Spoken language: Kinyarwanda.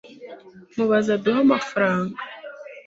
mubaze aduhe amafaranga